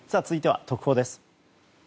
続いては特報です。